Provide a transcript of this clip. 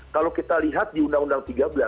kalau kita lihat di undang undang tiga belas